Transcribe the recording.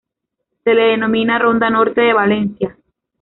Se le denomina Ronda Norte de Valencia.